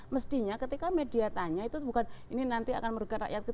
mestinya ketika media tanya itu bukan ini nanti akan merugikan rakyat